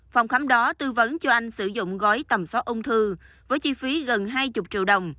phòng khám đó tư vấn cho anh sử dụng gói tầm soát ung thư với chi phí gần hai mươi triệu đồng